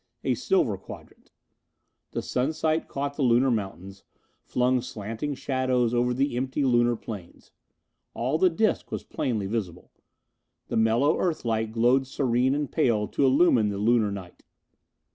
A silver quadrant. The sunset caught the Lunar mountains, flung slanting shadows over the empty Lunar plains. All the disc was plainly visible. The mellow Earth light glowed serene and pale to illumine the Lunar night.